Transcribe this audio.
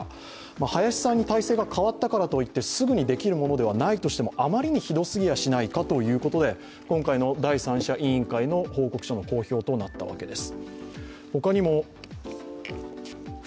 林さんに体制が変わったからといって、すぐにできるものではないとしてもあまりにひどすぎやしないかということで、今回の第三者委員会の報告書の公表となったわけです。